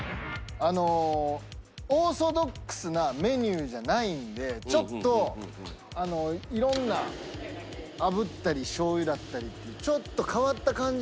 あのオーソドックスなメニューじゃないんでちょっといろんな炙ったりしょう油だったりっていうちょっと変わった感じ